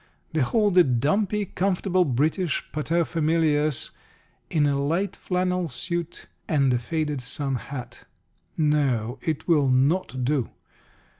Behold a dumpy, comfortable British paterfamilias in a light flannel suit and a faded sun hat. No; it will not do.